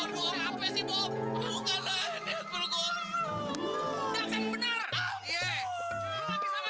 tapi sama juga